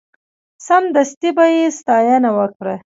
سمدستي به یې ستاینه وکړه.